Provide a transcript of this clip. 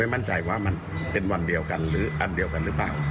มั่นใจว่ามันเป็นวันเดียวกันหรืออันเดียวกันหรือเปล่า